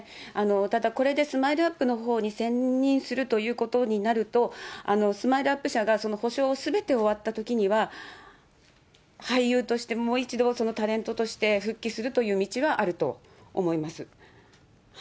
ただ、これでＳＭＩＬＥーＵＰ．のほうに専任するということになると、ＳＭＩＬＥーＵＰ．社が補償、すべて終わったときには、俳優としてもう一度、タレントとして、復帰するという道はあると思います。